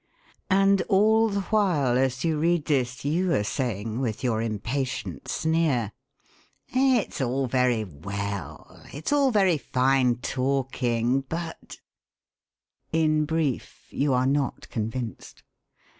And all the while as you read this you are saying, with your impatient sneer: 'It's all very well; it's all very fine talking, but ...' In brief, you are not convinced.